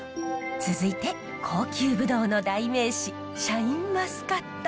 続いて高級ブドウの代名詞シャインマスカット。